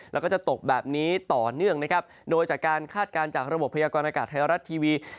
และก็จะตกแบบนี้ต่อเนื่องโดยจากการข้าดการณ์จากระบบพยาควรอากาศธรรยษ์ทัยรัฐทีวี